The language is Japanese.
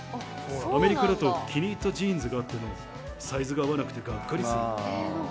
アメリカだと気に入ったジーンズがあっても、サイズが合わなくてがっかりする。